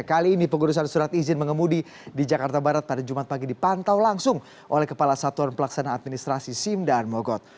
kali ini pengurusan surat izin mengemudi di jakarta barat pada jumat pagi dipantau langsung oleh kepala satuan pelaksana administrasi sim dan mogot